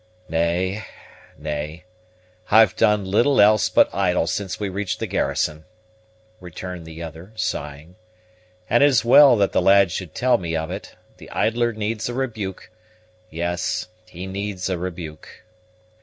"Nay, nay, I've done little else but idle since we reached the garrison," returned the other, sighing; "and it is well that the lad should tell me of it: the idler needs a rebuke yes, he needs a rebuke."